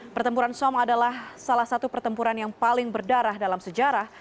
pertempuran som adalah salah satu pertempuran yang paling berdarah dalam sejarah